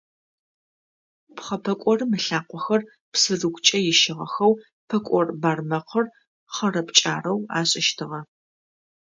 Пхъэ пӏэкӏорым ылъакъохэр псырыгукӏэ ищыгъэхэу, пӏэкӏор бармэкъыр хъэрэ-пкӏарэу ашӏыщтыгъэ.